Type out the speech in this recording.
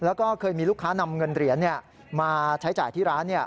แล้วก็เคยมีลูกค้านำเงินเหรียญมาใช้จ่ายที่ร้าน